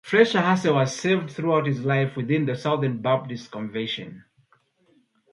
Fletcher Hartsell has served throughout his life within the Southern Baptist Convention.